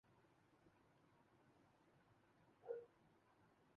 رپورٹوں میں دکھائی دینے والا تضاد صرف روزگار حقائق کی اہمیت بڑھاتا ہے